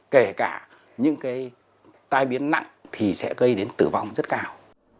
kể cả những cái tai biến nặng thì sẽ gây đến tử vong rất cao